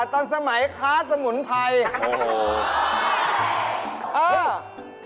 ตอนสมัยค้าสมุนไพร